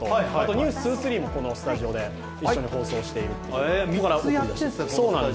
「ｎｅｗｓ２３」もこのスタジオで一緒に放送している、３つやっています。